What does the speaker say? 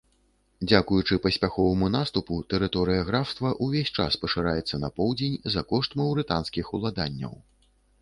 Дзякуючы паспяховаму наступу, тэрыторыя графства ўвесь час пашыраецца на поўдзень за кошт маўрытанскіх уладанняў.